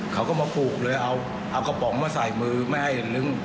เขาก็มาผูกเลยเอากระป๋องมาใส่มือไม่ให้ลึง